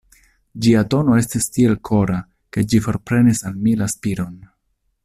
Ĝia tono estis tiel kora, ke ĝi forprenis al mi la spiron.